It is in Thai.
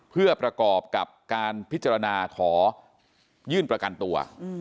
เพื่อประกอบกับการพิจารณาขอยื่นประกันตัว